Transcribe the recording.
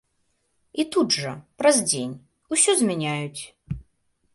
І тут жа, праз дзень, усё змяняюць.